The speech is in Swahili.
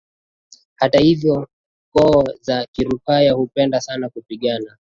Hata hivyo koo za Kikurya hupenda sana kupigana